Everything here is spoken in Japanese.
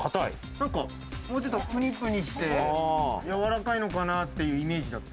もうちょっとプニプニして、やわらかいのかなっていうイメージだった。